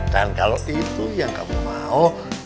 dan kalau itu yang kamu mau